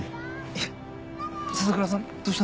いえ笹倉さんどうしたんすか？